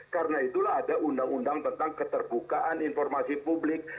karena itulah ada undang undang tentang keterbukaan informasi publik